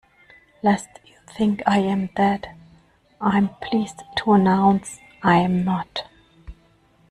Lest you think I am dead, I’m pleased to announce I'm not!